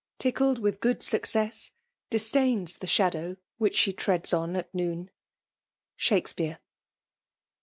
^neUed with good success, disdains the shadow Which she treads on at noon. SiXAKSFBARS.